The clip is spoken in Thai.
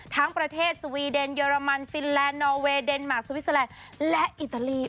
ทั้งประเทศสวีเดนเรมันฟินแลนดนอเวย์เดนมาร์สวิสเตอร์แลนด์และอิตาลี